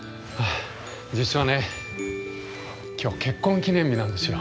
実はね今日結婚記念日なんですよ。